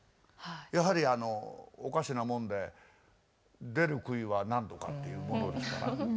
やはりおかしなもんで出る杭は何とかっていうものですから。